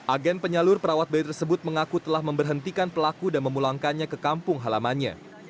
agen penyalur perawat bayi tersebut mengaku telah memberhentikan pelaku dan memulangkannya ke kampung halamannya